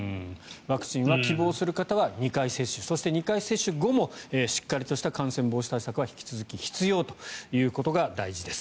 ワクチンは希望する方は２回接種そして２回接種後もしっかりとした感染防止対策は引き続き、必要ということが大事です。